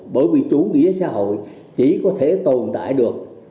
bởi vì chủ nghĩa xã hội chỉ có thể tồn tại được